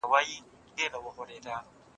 لکه جوړه له بلوړو مرغلینه